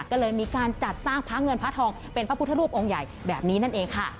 ก็เลยมีการจัดสร้างพระเงินพระทองเป็นพระพุทธรูปองค์ใหญ่แบบนี้นั่นเองค่ะ